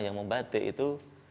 yang membatik itu